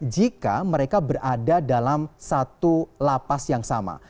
jika mereka berada dalam satu lapas yang sama